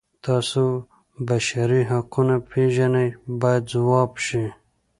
تاسو بشري حقونه پیژنئ باید ځواب شي.